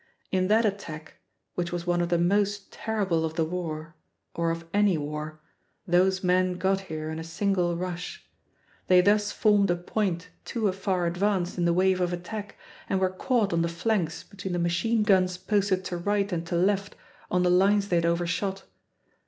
In that attack, which was one of the most terrible of the war or of any war, those men got here in a single rush. They thus formed a point too far advanced in the wave of attack, and were caught on the flanks between the machine guns posted to right and to left on the lines they had overshot.